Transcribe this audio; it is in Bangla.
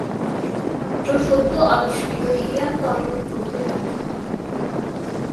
তিনি শুধুমাত্র সদ্য আবিষ্কৃত হিলিয়াম তরল করতে ব্যর্থ হন।